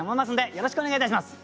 よろしくお願いします。